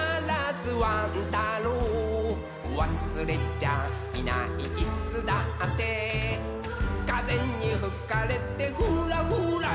ワン太郎」「わすれちゃいないいつだって」「かぜにふかれてフラフラリ」